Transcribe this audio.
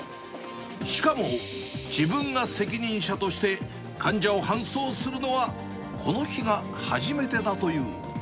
しかも自分が責任者として患者を搬送するのは、この日が初めてだという。